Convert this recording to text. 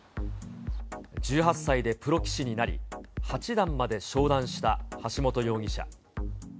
１８歳でプロ棋士になり、八段まで昇段した橋本容疑者。